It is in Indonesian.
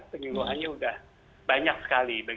penyuluhannya sudah banyak sekali